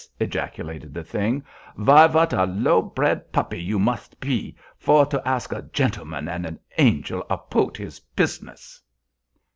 ejaculated the thing, "vy vat a low bred puppy you mos pe vor to ask a gentleman und an angel apout his pizziness!"